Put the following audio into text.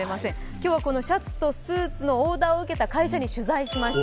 今日は、このシャツとスーツのオーダーを受けた会社に取材しました。